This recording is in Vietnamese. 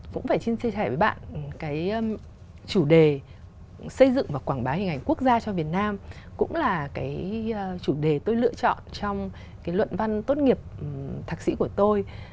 cũng phải chia sẻ với bạn cái chủ đề xây dựng và quảng bá hình ảnh quốc gia cho việt nam cũng là cái chủ đề tôi lựa chọn trong cái luận văn tốt nghiệp thạc sĩ của tôi